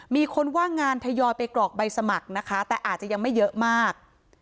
มีคนว่างงานทยอยไปกรอกใบสมัครนะคะแต่อาจจะยังไม่เยอะมาก